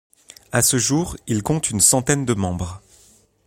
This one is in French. À ce jour, il compte une centaine de membres.